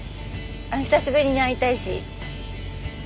久しぶりに会いたいし。